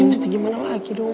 mesti gimana lagi dong